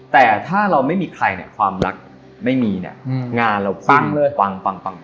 แต่ถ้าเราไม่มีใครความรักไม่มีงานเราปัง